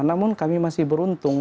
namun kami masih beruntung